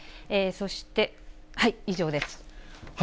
そして、以上です。